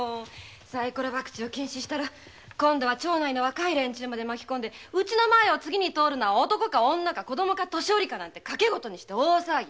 サイコロ博打を禁止したら若い連中を巻き込んで家の前を次に通るのは男か女か子供か年寄りかなんて賭けごとにして大騒ぎ。